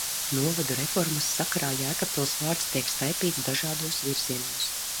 Novadu reformas sakarā Jēkabpils vārds tiek staipīts dažādos virzienos.